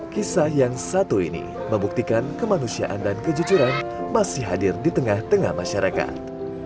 kisah yang satu ini membuktikan kemanusiaan dan kejujuran masih hadir di tengah tengah masyarakat